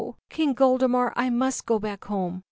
King Goldemar, I must go back home.